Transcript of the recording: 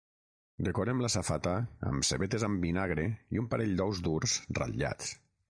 Decorem la safata amb cebetes amb vinagre i un parell d’ous durs ratllats.